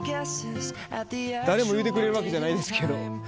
誰も言うてくれるわけじゃないんすけど。